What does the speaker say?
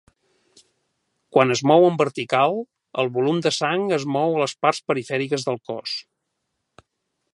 Quan es mou en vertical, el volum de sang es mou a les parts perifèriques del cos.